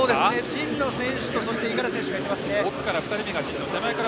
神野選手と五十嵐選手がいっていますね。